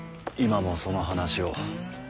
今もその話を。